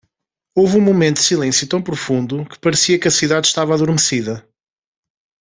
Houve um momento de silêncio tão profundo que parecia que a cidade estava adormecida.